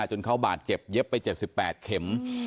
จนเข้าบาดเจ็บเย็ปไปเจ็บสี่แปดเข็ม